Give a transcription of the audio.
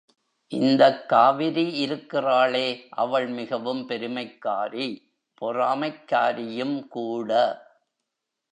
இந்தக் காவிரி இருக்கிறாளே, அவள் மிகவும் பெருமைக்காரி, பொறாமைக் காரியும் கூட.